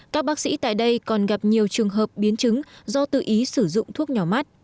các bác sĩ tại đây còn gặp nhiều trường hợp biến chứng do tự ý sử dụng thuốc nhỏ mắt